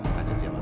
ngajak dia makan